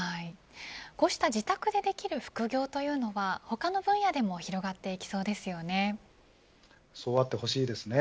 こうした自宅でできる副業というのが他の分野でもそうあってほしいですね。